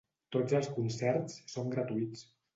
Tots els concerts són gratuïts.